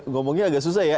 ngomongnya agak susah ya